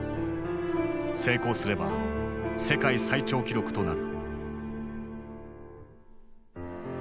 成功すれば世界最長記録となる。